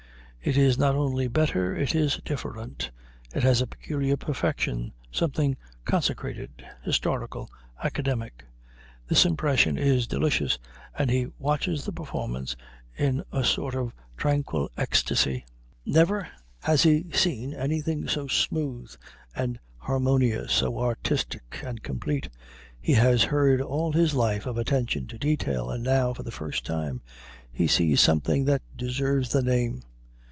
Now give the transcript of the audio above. It is not only better, it is different. It has a peculiar perfection something consecrated, historical, academic. This impression is delicious, and he watches the performance in a sort of tranquil ecstasy. Never has he seen anything so smooth and harmonious, so artistic and complete. He has heard all his life of attention to detail, and now, for the first time, he sees something that deserves the name.